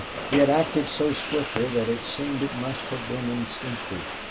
He had acted so swiftly that it seemed it must have been instinctive.